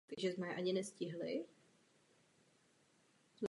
Samotné město leží na nejdůležitější dopravní křižovatce celého Íránu.